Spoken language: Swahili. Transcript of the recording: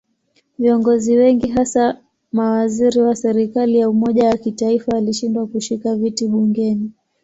Viongozi wengi hasa mawaziri wa serikali ya umoja wa kitaifa walishindwa kushika viti bungeni.